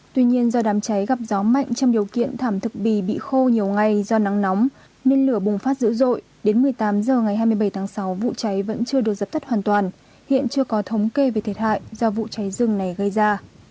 tuy nhiên do đám cháy gặp gió mạnh trong điều kiện thảm thực bì bị khô nhiều ngày do nắng nóng nên lửa bùng phát dữ dội đến một mươi tám h ngày hai mươi bảy tháng sáu vụ cháy vẫn chưa được dập tắt hoàn toàn hiện chưa có thống kê về thiệt hại do vụ cháy rừng này gây ra